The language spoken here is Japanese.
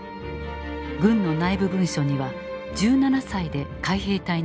軍の内部文書には「１７歳で海兵隊に入隊。